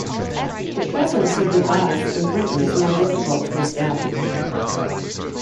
The presence of the goddess in Britain is more difficult to establish.